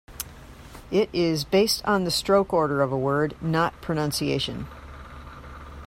It is based on the stroke order of a word, not pronunciation.